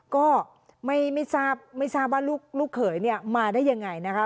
ก็ไม่ทราบไม่ทราบว่าลูกเขยเนี่ยมาได้ยังไงนะคะ